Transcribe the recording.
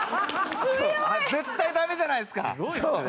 絶対ダメじゃないですか。